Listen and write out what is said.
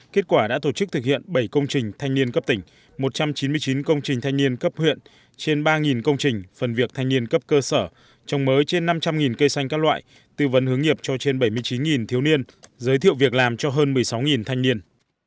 kết quả đã tổ chức thực hiện bảy công trình thanh niên cấp tỉnh một trăm chín mươi chín công trình thanh niên cấp huyện trên ba công trình phần việc thanh niên cấp cơ sở trồng mới trên năm trăm linh cây xanh các loại tư vấn hướng nghiệp cho trên bảy mươi chín thiếu niên giới thiệu việc làm cho hơn một mươi sáu thanh niên